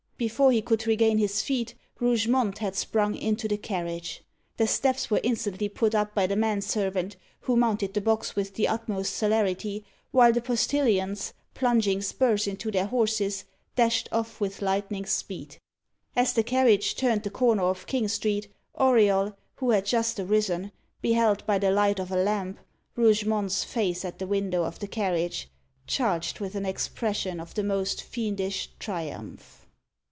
Before he could regain his feet, Rougemont had sprung into the carriage. The steps were instantly put up by the man servant, who mounted the box with the utmost celerity, while the postillions, plunging spurs into their horses, dashed off with lightning speed. As the carriage turned the corner of King Street, Auriol, who had just arisen, beheld, by the light of a lamp, Rougemont's face at the window of the carriage, charged with an expression of the most fiendish triumph.